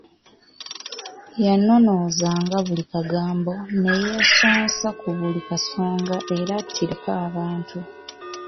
Yanonoozanga buli kagambo, ne yeesonsa ku buli kasonga era attireko abantu.